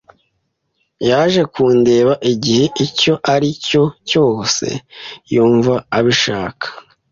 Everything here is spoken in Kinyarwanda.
Yaje kundeba igihe icyo ari cyo cyose yumva abishaka.